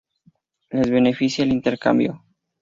les beneficie el intercambio